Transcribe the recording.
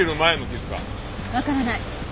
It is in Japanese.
わからない。